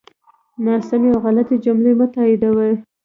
ناسمی او غلطی جملی مه تاییدوی